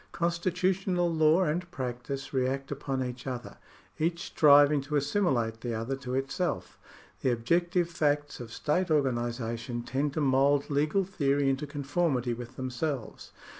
Constitutional law and practice react upon each other, each striving to assimilate the other to it self. The objective facts of state organisation tend to mould legal theory into conformity with themselves.